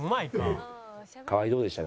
河合どうでした？